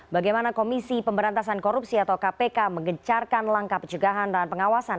bagaimana komisi pemberantasan korupsi atau kpk mengecarkan langkah pencegahan dan pengawasan